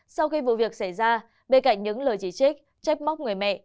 sau khi vụ việc xảy ra bên cạnh những lời chỉ trích chép móc người mẹ